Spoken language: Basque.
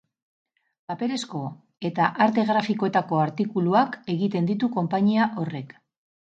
Paperezko eta arte grafikoetako artikuluak egiten ditu konpainia horrek.